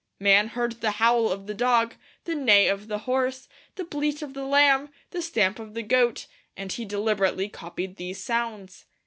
Man heard the howl of the dog, the neigh of the horse, the bleat of the lamb, the stamp of the goat; and he deliberately copied these sounds.